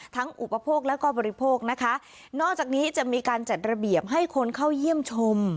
อุปโภคแล้วก็บริโภคนะคะนอกจากนี้จะมีการจัดระเบียบให้คนเข้าเยี่ยมชม